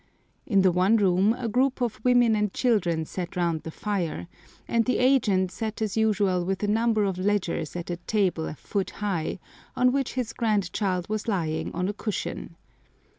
In the one room a group of women and children sat round the fire, and the agent sat as usual with a number of ledgers at a table a foot high, on which his grandchild was lying on a cushion.